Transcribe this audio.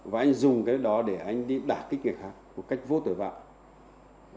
và anh dùng cái đó để anh đi đả kích người khác một cách vô tội bạo